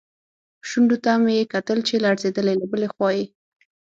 شونډو ته مې یې کتل چې لړزېدلې، له بلې خوا یې.